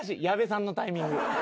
矢部さんのタイミング。